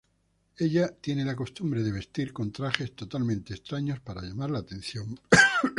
Ella tiene la costumbre de vestir con trajes totalmente extraños para llamar la atención.